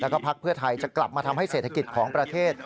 แล้วก็พักเพื่อไทยจะกลับมาทำให้เศรษฐกิจของประเทศ